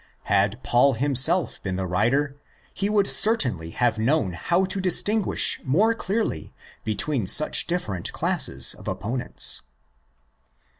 Had Paul himself been the writer, he would certainly have known how to distinguish more clearly between such different classes of opponents.